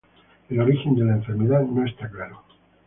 El origen de la enfermedad no está claro.